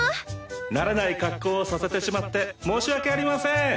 慣れない格好をさせてしまって申し訳ありません。